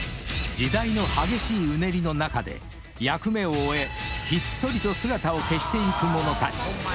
［時代の激しいうねりの中で役目を終えひっそりと姿を消していくものたち］